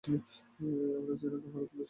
আমরা যেন কাহারও ক্লেশের কারণ না হই।